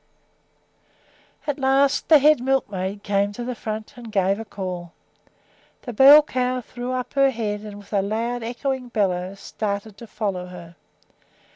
At last the head milkmaid came to the front and gave a call. The bell cow threw up her head and with a loud, echoing bellow started to follow her.